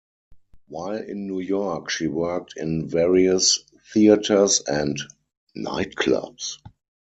While in New York she worked in various theaters and nightclubs.